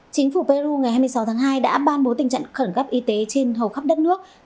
chính phủ peru ngày hai mươi sáu tháng hai đã ban bố tình trạng khẩn gấp y tế trên hầu khắp đất nước